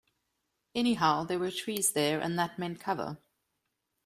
Anyhow there were trees there, and that meant cover.